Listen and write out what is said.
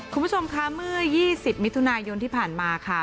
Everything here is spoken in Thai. คุณผู้ชมคะเมื่อ๒๐มิถุนายนที่ผ่านมาค่ะ